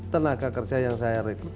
tenaga kerja yang saya rekrut